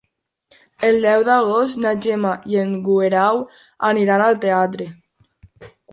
El deu d'agost na Gemma i en Guerau aniran al teatre.